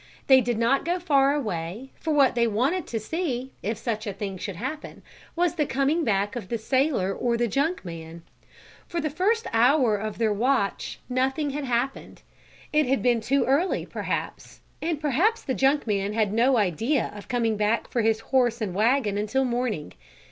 They did not go far away, for what they wanted to see, if such a thing should happen, was the coming back of the sailor or the junk man. For the first hour of their watch nothing had happened. It had been too early, perhaps. And perhaps the junk man had no idea of coming back for his horse and wagon until morning.